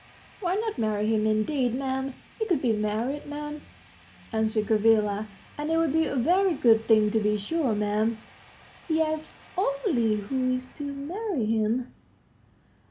"Why not marry him, indeed, 'm? He could be married, 'm," answered Gavrila, "and it would be a very good thing, to be sure, 'm." "Yes; only who is to marry him?"